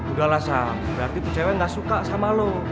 udahlah sam berarti itu cewek nggak suka sama lo